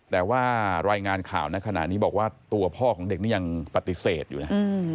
แต่ว่ารายงานข่าวในขณะนี้บอกว่าตัวพ่อของเด็กนี่ยังปฏิเสธอยู่นะ